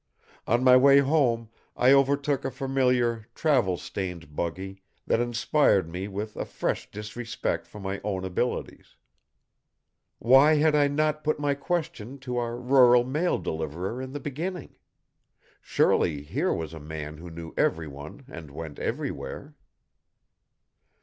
On my way home I overtook a familiar, travel stained buggy that inspired me with a fresh disrespect for my own abilities. Why had I not put my question to our rural mail deliverer in the beginning? Surely here was a man who knew everyone and went everywhere!